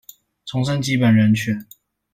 重申基本人權